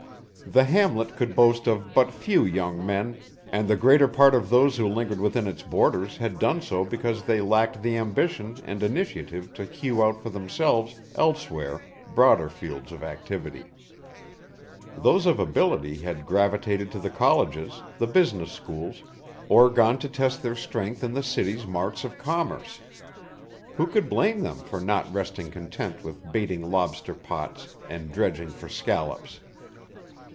The hamlet could boast of but few young men, and the greater part of those who lingered within its borders had done so because they lacked the ambition and initiative to hew out for themselves elsewhere broader fields of activity. Those of ability had gravitated to the colleges, the business schools, or gone to test their strength in the city's marts of commerce. Who could blame them for not resting content with baiting lobster pots and dredging for scallops?